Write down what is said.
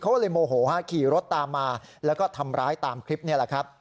เขาก็เลยโมโหฮะขี่รถตามมาแล้วก็ทำร้ายตามคลิปนี่แหละครับ